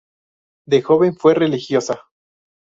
De joven fue religiosa.